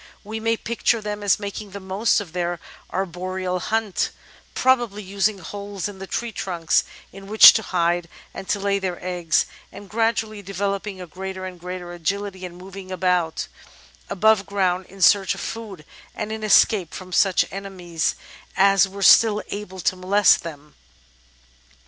We may picture them as making the most of their arboreal haunt, probably using holes in the tree trunks in which to hide and to lay their eggs, and gradually developing a greater and greater agility in moving about above ground in search of food, and in escape from such enemies as were still able to molest them.